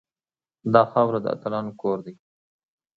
دا خاوره د اتلانو کور دی